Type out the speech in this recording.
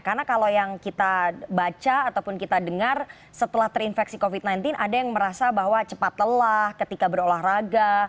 karena kalau yang kita baca ataupun kita dengar setelah terinfeksi covid sembilan belas ada yang merasa bahwa cepat telah ketika berolahraga